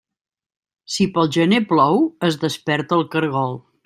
Si pel gener plou, es desperta el caragol.